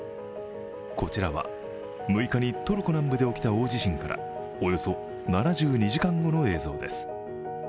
こちらは６日にトルコ南部で起きた大地震からおよそ７２時間後の映像です。